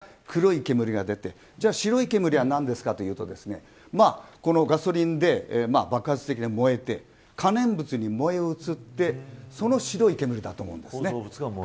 ですから、この火災は最初から黒い煙が出てじゃあ白い煙は何ですかというとこのガソリンで爆発的に燃えて可燃物に燃え移ってその白い煙だと思うんです。